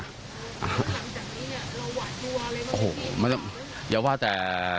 ยิ่มหาชายอยู่แล้ว